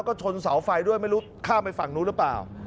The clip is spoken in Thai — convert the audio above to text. ก็ชนเสาไฟด้วยไม่รู้ข้ามไปฝั่งนู้นหรือเปล่า